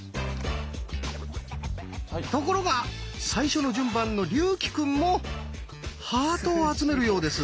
ところが最初の順番の竜暉くんもハートを集めるようです。